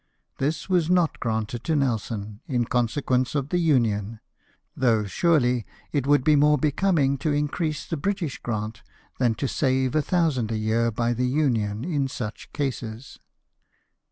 This was not granted to Nelson in consequence of the Union ; though surely it would be more becoming to increase the British grant than to save a thousand a year by the Union in such cases.